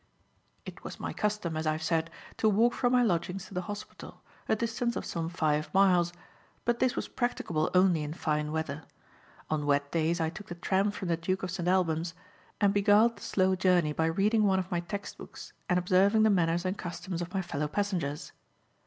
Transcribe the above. It was my custom, as I have said, to walk from my lodgings to the hospital, a distance of some five miles; but this was practicable only in fine weather. On wet days I took the tram from the "Duke of St. Alban's"; and beguiled the slow journey by reading one of my text books and observing the manners and customs of my fellow passengers.